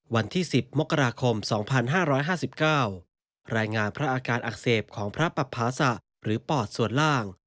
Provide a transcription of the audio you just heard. วันที่๑๐มกราคม๒๕๕๙รายงานพระอาการอักเสบของพระปภาษะหรือปอดส่วนล่าง